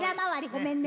ごめんね。